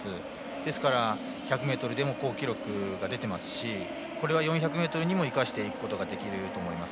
ですから、１００ｍでも好記録が出ていますし４００ｍにも生かしていくことができると思います。